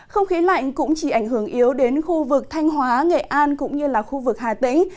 không khí lạnh cũng chỉ ảnh hưởng yếu đến khu vực thanh hóa nghệ an cũng như là khu vực hà tĩnh